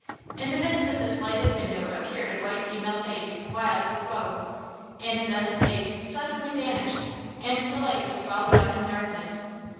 In the midst of this lighted window appeared a white female face wild with woe! And then the face suddenly vanished and the light was swallowed up in darkness!